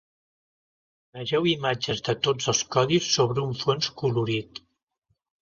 Vegeu imatges de tots els codis sobre un fons colorit.